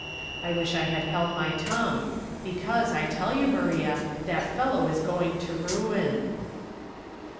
I wish I had held my tongue ; because, I tell you, Maria, that fellow is going to ruin."